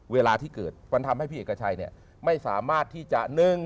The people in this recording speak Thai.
เวลาที่เกิดมันทำให้พี่เอกชัยไม่สามารถที่จะ